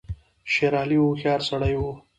شېر علي هوښیار سړی وو.